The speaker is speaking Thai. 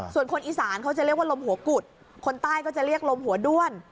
ส่วนคนอีสานเขาจะเรียกว่าลมหัวกุดคนใต้ก็จะเรียกลมหัวด้วน